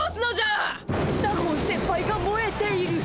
納言先輩がもえている。